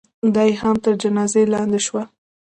دا یې هم تر جنازې لاندې شوه.